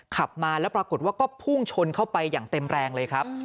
ขับมาแล้วปรากฏว่าก็พุ่งชนเข้าไปอย่างเต็มแรงเลยครับ